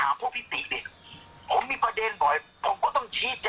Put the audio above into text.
แม่ยังคงมั่นใจและก็มีความหวังในการทำงานของเจ้าหน้าที่ตำรวจค่ะ